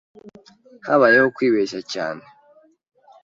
Habayeho kwibeshya cyane.